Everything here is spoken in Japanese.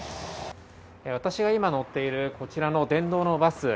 私が今乗っているこちらの電動のバス。